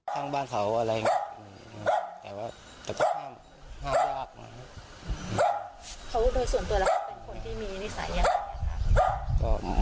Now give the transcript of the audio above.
ทั้งบ้านเขาอะไรแต่ว่าแต่ก็ห้ามห้ามยากเพราะโดยส่วนตัวแล้วเขาเป็นคนที่มีนิสัยยังไงครับ